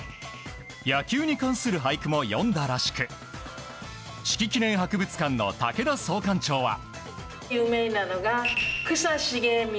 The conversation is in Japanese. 野球に関する俳句も詠んだらしく子規記念博物館の竹田総館長は。